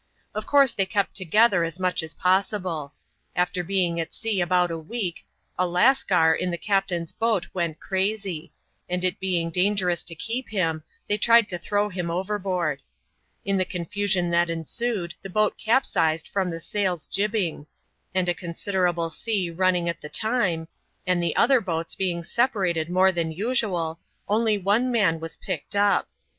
Of course they kept together as much as possible. After being at sea about a week, a Lascar in the captain's boat went crazy ; and it being dangerous to keep him, they tried to throw him over board. In the confusion that ensued, the boat capsized from the sail's ^'jibing ;" and a considerable sea running at the time, and the other boats being separated more than usual, only one man was picked up.